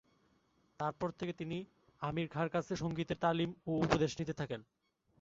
তার পর থেকে তিনি আমির খাঁর কাছে সঙ্গীতের তালিম ও উপদেশ নিতে থাকেন।